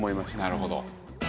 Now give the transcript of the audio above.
なるほど。